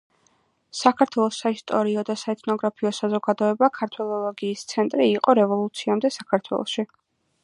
საქართველოს საისტორიო და საეთნოგრაფიო საზოგადოება ქართველოლოგიის ცენტრი იყო რევოლუციამდელ საქართველოში.